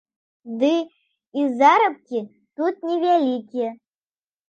Ды і заробкі тут невялікія.